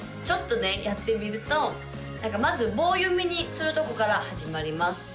ちょっとねやってみるとまず棒読みにするとこから始まります